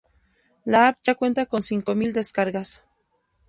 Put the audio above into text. La app ya cuenta con cinco mil descargas.